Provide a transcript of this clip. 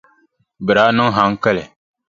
Bɛ daa niŋ haŋkali.